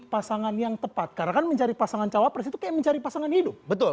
pasangan yang tepat karena kan mencari pasangan cawapres itu kayak mencari pasangan hidup betul